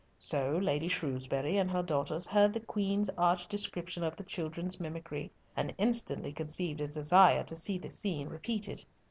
So Lady Shrewsbury and her daughters heard the Queen's arch description of the children's mimicry, and instantly conceived a desire to see the scene repeated.